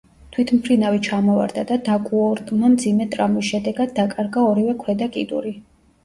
თვითმფრინავი ჩამოვარდა და დაკუორტმა მძიმე ტრამვის შედეგად დაკარგა ორივე ქვედა კიდური.